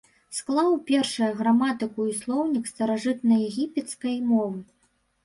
Склаў першыя граматыку і слоўнік старажытнаегіпецкай мовы.